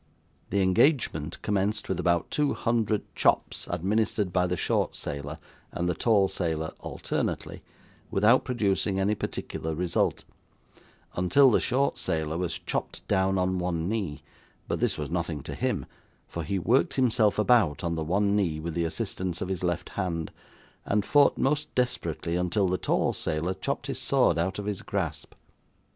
The engagement commenced with about two hundred chops administered by the short sailor and the tall sailor alternately, without producing any particular result, until the short sailor was chopped down on one knee; but this was nothing to him, for he worked himself about on the one knee with the assistance of his left hand, and fought most desperately until the tall sailor chopped his sword out of his grasp.